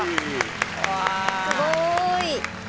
すごーい。